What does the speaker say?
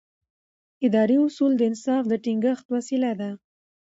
اداري اصول د انصاف د ټینګښت وسیله ده.